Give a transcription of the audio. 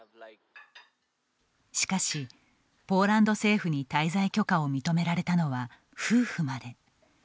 しかし、ポーランド政府に滞在許可を認められたのは夫婦まで。